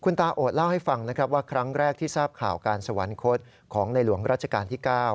ตาโอดเล่าให้ฟังนะครับว่าครั้งแรกที่ทราบข่าวการสวรรคตของในหลวงรัชกาลที่๙